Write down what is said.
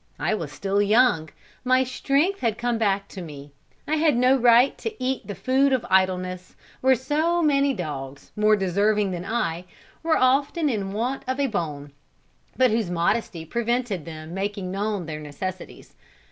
I was still young my strength had come back to me I had no right to eat the food of idleness where so many dogs, more deserving than I, were often in want of a bone, but whose modesty prevented them making known their necessities.